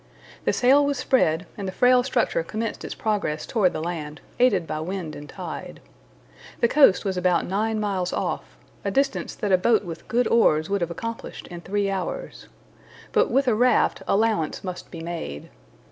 The sail was spread, and the frail structure commenced its progress toward the land, aided by wind and tide. The coast was about nine miles off, a distance that a boat with good oars would have accomplished in three hours. But with a raft allowance must be made.